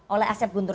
oleh asep guntur